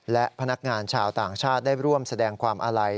และพนักงานชาวต่างชาติได้ร่วมแสดงความอาลัย